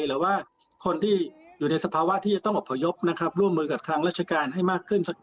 หรือว่าคนที่อยู่ในสภาวะที่จะต้องอบพยพนะครับร่วมมือกับทางราชการให้มากขึ้น